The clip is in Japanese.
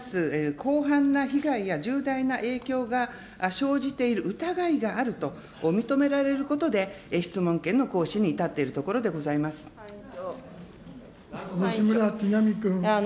広範な被害や重大な影響が生じている疑いがあると認められることで、質問権の行使に至っているところでご西村智奈美君。